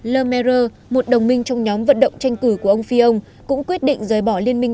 lemaire một đồng minh trong nhóm vận động tranh cử của ông fillon cũng quyết định rời bỏ liên minh